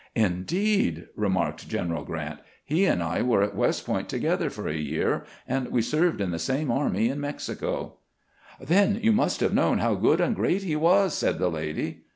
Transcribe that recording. " Indeed !" remarked General Grant. " He and I were at West Point together for a year, and we served in the same army in Mexico." " Then you must have known how good and great he was," said the lady.